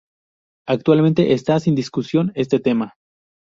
Actualmente está sin discusión este tema.